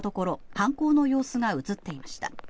犯行の様子が映っていました。